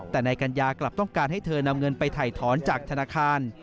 แต่นายกัญญากลับต้องการให้เธอนำเงินไปถ่ายถอนจากธนาคาร